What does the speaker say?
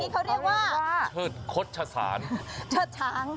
เขาเรียกว่าเชิดคดชศาลเชิดช้าง